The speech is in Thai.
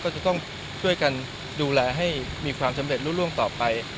ก็จะต้องช่วยกันดูแลให้มีความสำเร็จรู้ร่วงต่อไป